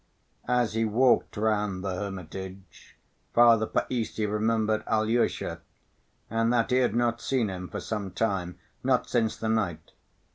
As he walked round the hermitage, Father Païssy remembered Alyosha and that he had not seen him for some time, not since the night.